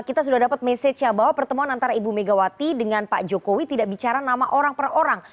kita sudah dapat mesej ya bahwa pertemuan antara ibu megawati dengan pak jokowi tidak bicara nama orang per orang